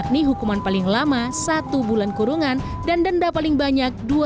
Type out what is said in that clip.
yakni hukuman paling lama satu bulan kurungan dan denda paling banyak rp dua ratus lima puluh juta